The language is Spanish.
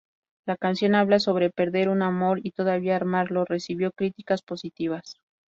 La canción habla sobre perder un amor y todavía amarlo, recibió críticas positivas.